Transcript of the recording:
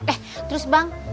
eh terus bang